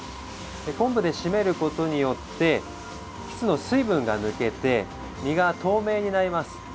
昆布で締めることによってキスの水分が抜けて身が透明になります。